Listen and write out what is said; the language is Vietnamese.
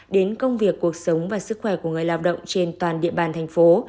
đến công việc cuộc sống và sức khỏe của người lao động trên toàn địa bàn thành phố